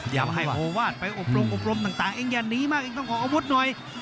อยากให้โอวาสไปอบรมอบรมต่างเองอย่าหนีมากเองต้องออกอาวุธหน่อย